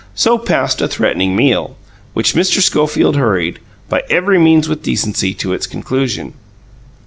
So passed a threatening meal, which Mrs. Schofield hurried, by every means with decency, to its conclusion.